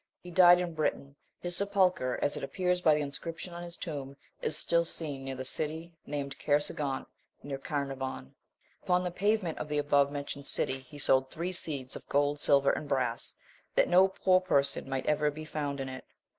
He died in Britain; his sepulchre, as it appears by the inscription on his tomb, is still seen near the city named Cair segont (near Carnarvon). Upon the pavement of the above mentioned city he sowed three seeds of gold, silver and brass, that no poor person might ever be found in it.